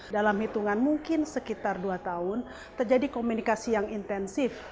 dalam hitungan mungkin sekitar dua tahun terjadi komunikasi yang intensif